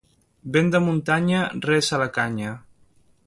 Vent de muntanya, res a la canya.